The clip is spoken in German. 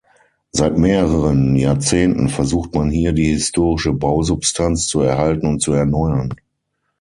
Seit mehreren Jahrzehnten versucht man hier die historische Bausubstanz zu erhalten und zu erneuern.